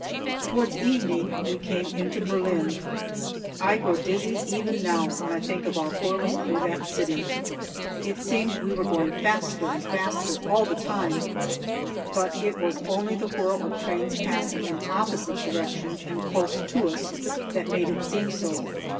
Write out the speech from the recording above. Towards evening we came into Berlin. I grow dizzy even now when I think of our whirling through that city. It seemed we were going faster and faster all the time, but it was only the whirl of trains passing in opposite directions and close to us that made it seem so.